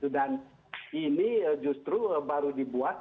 dan ini justru baru dibuat